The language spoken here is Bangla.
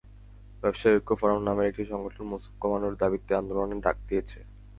ব্যবসায়ী ঐক্য ফোরাম নামের একটি সংগঠন মূসক কমানোর দাবিতে আন্দোলনের ডাক দিয়েছে।